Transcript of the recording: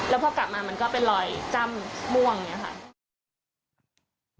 แล้วพอกลับมามันก็เป็นรอยจ้ำม่วงอย่างนี้ค่ะ